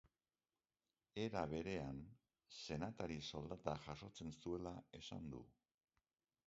Era berean, senatari soldata jasotzen zuela esan du.